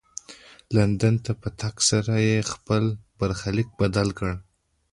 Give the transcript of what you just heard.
لندن ته په تګ سره یې خپل برخلیک بدل کړ.